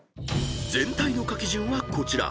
［全体の書き順はこちら］